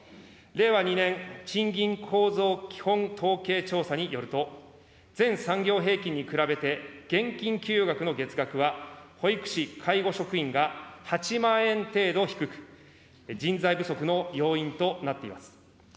令和２年賃金構造基本統計調査によると、全産業平均に比べて現金給与額の月額は、保育士、介護職員が８万円程度低く、人材不足の要因となっています。